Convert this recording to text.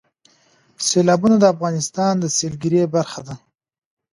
سیلابونه د افغانستان د سیلګرۍ برخه ده.